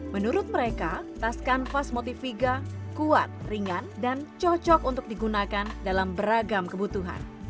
menurut mereka tas kanvas motiviga kuat ringan dan cocok untuk digunakan dalam beragam kebutuhan